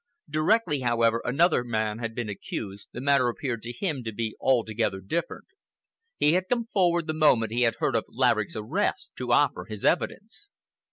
Directly, however, another man had been accused, the matter appeared to him to be altogether different. He had come forward the moment he had heard of Laverick's arrest, to offer his evidence.